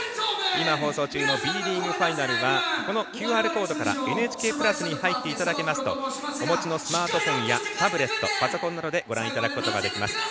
今放送中のＢリーグファイナルはこのＱＲコードからＮＨＫプラスに入っていただきますとお持ちのスマートフォンやタブレット、パソコンなどでご覧いただくことができます。